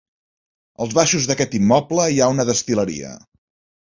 Als baixos d'aquest immoble hi ha una destil·leria.